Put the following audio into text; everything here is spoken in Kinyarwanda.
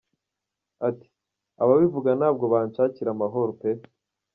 Ati: “Ababivuga ntabwo banshakira amahoro pe.